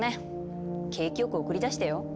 景気良く送り出してよ？